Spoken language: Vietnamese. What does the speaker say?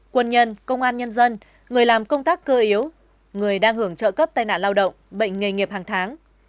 quân nhân công an nhân dân người làm công tác cơ yếu người đang hưởng trợ cấp tai nạn lao động bệnh nghề nghiệp hàng tháng